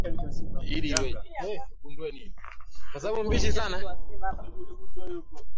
walitahiniwa mwaka elfu moja mia tisa tisini na moja